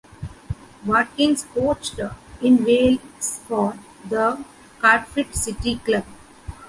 Watkins coached in Wales for the Cardiff City club.